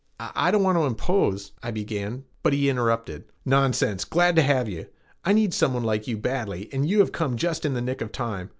"I don't want to impose " I began; but he interrupted. "Nonsense, glad to have you. I needed someone like you badly and you have come just in the nick of time.